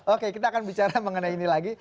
oke kita akan bicara mengenai ini lagi